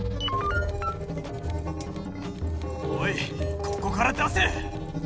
おいここから出せ！